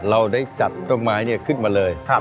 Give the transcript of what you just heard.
เราได้จัดต้นไม้ขึ้นมาเลย